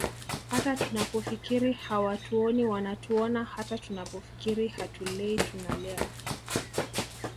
Hata tunapofikiri hawatuoni wanatuona hata tunapofikiri hatulei tunalea